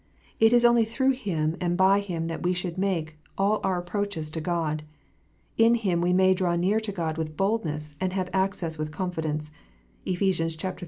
It is only 268 KNOTS UNTIED. through Him and by Him that we should make all our approaches to God. In Him we may draw near to God with boldness, and have access with confidence. (Ephes. iii. 12.)